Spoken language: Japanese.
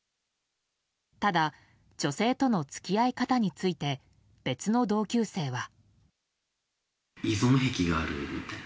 ただ、女性との付き合い方について別の同級生は。